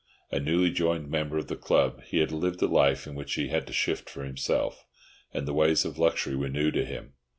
A newly joined member of the club, he had lived a life in which he had to shift for himself, and the ways of luxury were new to him.